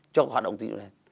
cho hoạt động tín dụng đen